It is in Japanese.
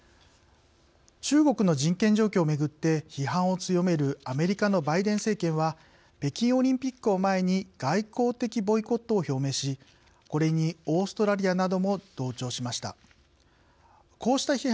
中国の人権状況をめぐって批判を強めるアメリカのバイデン政権は北京オリンピックを前に外交的ボイコットを表明しこれにオーストラリアなども同調しました。